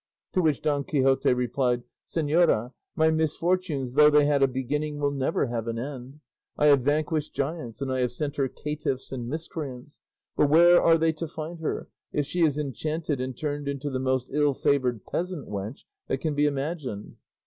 To which Don Quixote replied, "Señora, my misfortunes, though they had a beginning, will never have an end. I have vanquished giants and I have sent her caitiffs and miscreants; but where are they to find her if she is enchanted and turned into the most ill favoured peasant wench that can be imagined?"